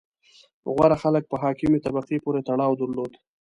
• غوره خلک په حاکمې طبقې پورې تړاو درلود.